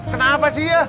kenapa sih ya